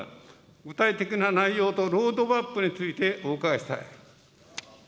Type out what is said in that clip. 具体的な内容とロードマップについてお伺いしたい。